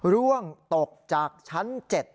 ร่วงตกจากชั้น๗